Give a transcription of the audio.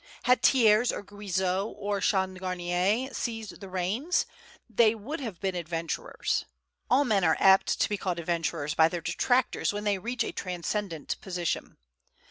Had Thiers or Guizot or Changarnier seized the reins, they would have been adventurers. All men are apt to be called adventurers by their detractors when they reach a transcendent position.